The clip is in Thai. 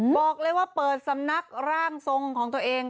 บอกเลยว่าเปิดสำนักร่างทรงของตัวเอง